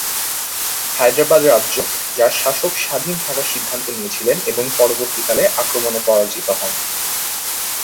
হায়দ্রাবাদ রাজ্য, যার শাসক স্বাধীন থাকার সিদ্ধান্ত নিয়েছিলেন এবং পরবর্তীকালে আক্রমণে পরাজিত হন।